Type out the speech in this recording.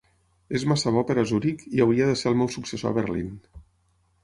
És massa bo per a Zurich i hauria de ser el meu successor a Berlin.